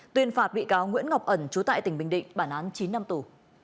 tuyên phạt bị cáo nguyễn ngọc ẩn trú tại tỉnh bình định bản án chín năm tù